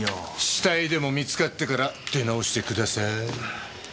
死体でも見つかってから出直してください。